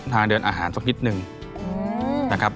ทางเดินอาหารสักนิดนึงนะครับ